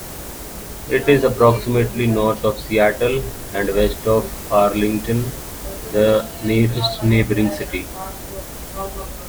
It is approximately north of Seattle, and west of Arlington, the nearest neighboring city.